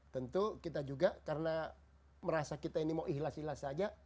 tentu kita juga karena merasa kita ini mau ihlas ihlas aja